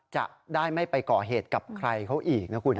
จะได้ไม่ไปก่อเหตุกับใครเขาอีกนะคุณ